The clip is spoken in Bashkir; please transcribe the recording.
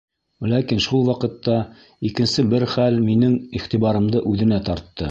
Ләкин шул ваҡытта икенсе бер хәл минең, иғтибарымды үҙенә тартты.